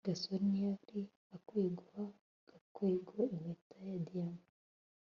gasore ntiyari akwiye guha gakwego impeta ya diyama